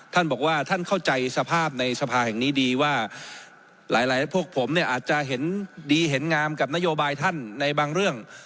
ท่านบอกว่าท่านเข้าใจสภาพในสภาแห่งนี้ดีว่าหลายพวกผมเนี่ยอาจจะเห็นดีเห็นงามกับนโยบายท่านในบางเรื่อง